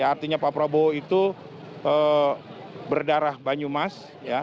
artinya pak prabowo itu berdarah banyumas